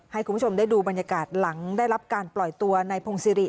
ให้คุณผู้ชมได้ดูบรรยากาศหลังได้รับการปล่อยตัวในพงศิริ